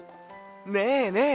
ねえねえ